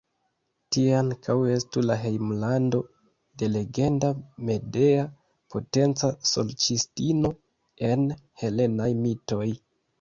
Tie ankaŭ estu la hejmlando de legenda Medea, potenca sorĉistino en helenaj mitoj.